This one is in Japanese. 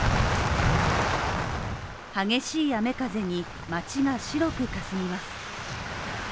激しい雨・風に街が白くかすみます。